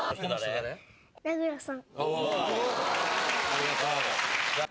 ありがとう。